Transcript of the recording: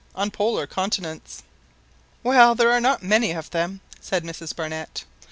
on Polar continents." "Well, there are not many of them !" said Mrs Barnett.